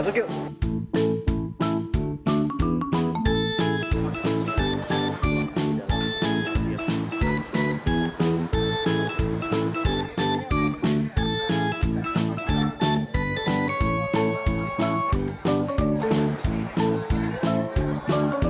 masuk ya proses kayak mrt di luar